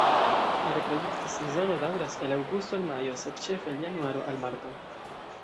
La reprodukta sezono daŭras el aŭgusto al majo, sed ĉefe el januaro al marto.